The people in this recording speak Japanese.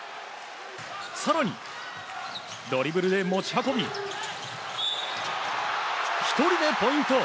更に、ドリブルで持ち運び１人でポイント！